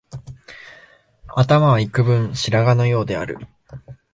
頭はいくぶん白髪のようである